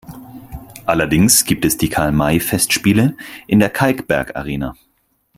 Allerdings gibt es die Karl-May-Festspiele in der Kalkbergarena.